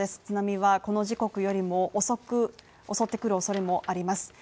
津波はこの時刻よりも遅く襲ってくるおそれもあります。